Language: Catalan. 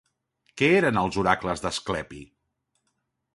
Què eren els oracles d'Asclepi?